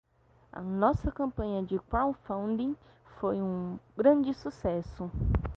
Nossa campanha de crowdfunding foi um sucesso.